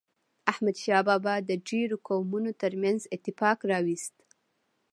احمد شاه بابا د ډیرو قومونو ترمنځ اتفاق راوست.